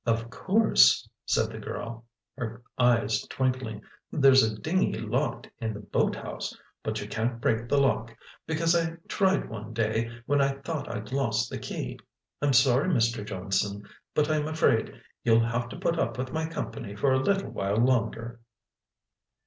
"Of course," said the girl, her eyes twinkling, "there's a dinghy locked in the boat house! But you can't break the lock, because I tried one day when I thought I'd lost the key. I'm sorry, Mr. Johnson, but I'm afraid you'll have to put up with my company for a little while longer."